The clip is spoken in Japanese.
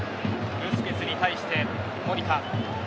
ブスケツに対して守田。